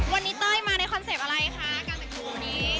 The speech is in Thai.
วันนี้เต้ยมาในคอนเซ็ปต์อะไรคะการแต่งเพลงนี้